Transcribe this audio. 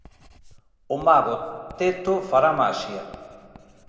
O Mago Teto fará maxia.